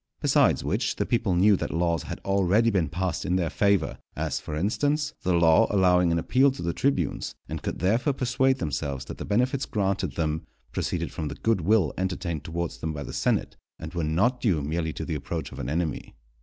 Besides which, the people knew that laws had already been passed in their favour, as, for instance, the law allowing an appeal to the tribunes, and could therefore persuade themselves that the benefits granted them proceeded from the good will entertained towards them by the senate, and were not due merely to the approach of an enemy.